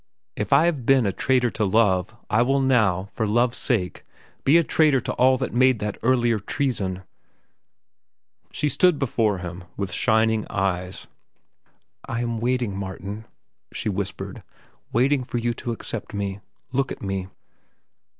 If I have been a traitor to love, I will now, for love's sake, be a traitor to all that made that earlier treason." She stood before him, with shining eyes. "I am waiting, Martin," she whispered, "waiting for you to accept me. Look at me."